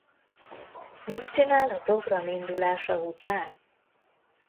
Mit csinál a program indulása után?